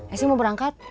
esy mau berangkat